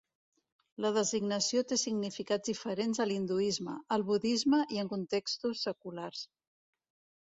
La designació té significats diferents a l'hinduisme, el budisme i en contextos seculars.